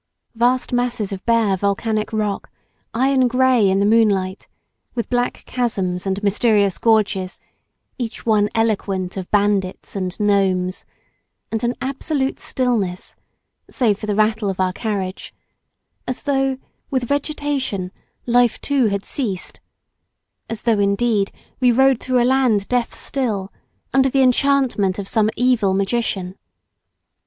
Vast masses of bare volcanic rock, iron grey in the moonlight, with black chasms and mysterious gorges, each one eloquent of bandits and gnomes, and an absolute stillness, save for the rattle of our carriage, as though, with vegetation, life too had ceased, as though indeed we rode through a land deathstill, under the enchantment of some evil magician.